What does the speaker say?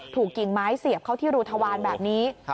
กิ่งไม้เสียบเข้าที่รูทวารแบบนี้